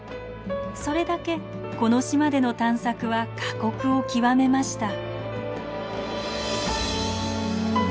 それだけこの島での探索は過酷を極めました。